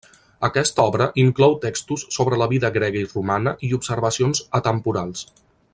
Aquesta obra inclou textos sobre la vida grega i romana i observacions atemporals.